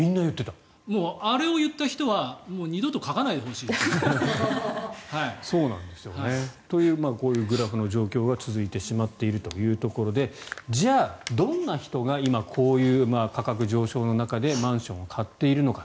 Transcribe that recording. あれを言った人は二度と書かないでほしいです。というこういうグラフの状況が続いてしまっているというところでじゃあ、どんな人が今、こういう価格上昇の中でマンションを買っているのか。